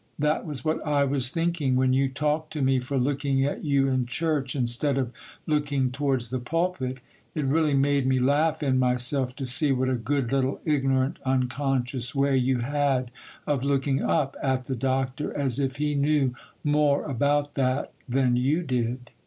That was what I was thinking when you talked to me for looking at you in church instead of looking towards the pulpit. It really made me laugh in myself to see what a good little ignorant, unconscious way you had of looking up at the Doctor, as if he knew more about that than you did.